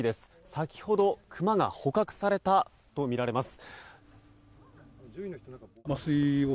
先ほど、クマが捕獲されたとみられます。